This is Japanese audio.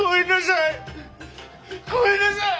ごめんなさい。